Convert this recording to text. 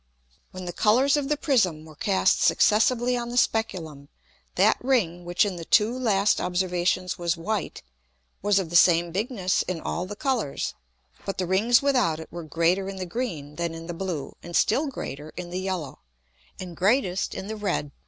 When the Colours of the Prism were cast successively on the Speculum, that Ring which in the two last Observations was white, was of the same bigness in all the Colours, but the Rings without it were greater in the green than in the blue, and still greater in the yellow, and greatest in the red.